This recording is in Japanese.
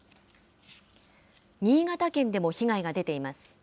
新潟県でも被害が出ています。